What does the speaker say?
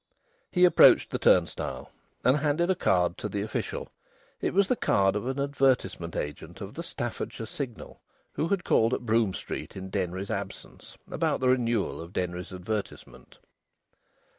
He approached the turnstile and handed a card to the official. It was the card of an advertisement agent of the Staffordshire Signal, who had called at Brougham Street in Denry's absence about the renewal of Denry's advertisement.